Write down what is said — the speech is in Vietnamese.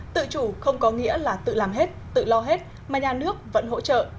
tự chủ không có nghĩa là tự làm hết tự lo hết mà nhà nước vẫn hỗ trợ